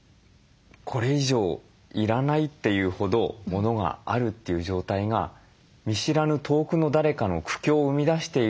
これ以上要らないというほどものがあるという状態が見知らぬ遠くの誰かの苦境を生み出している。